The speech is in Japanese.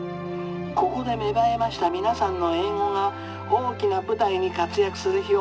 ここで芽生えました皆さんの英語が大きな舞台に活躍する日をお待ち申しております。